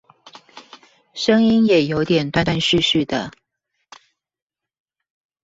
聲音也有點斷斷續續的